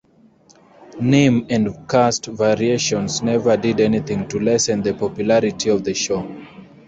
Name and cast variations never did anything to lessen the popularity of the show.